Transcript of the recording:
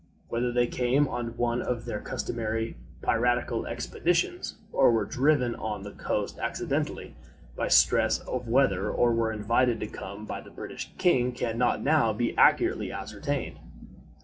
Whether they came on one of their customary piratical expeditions, or were driven on the coast accidentally by stress of weather, or were invited to come by the British king, can not now be accurately ascertained.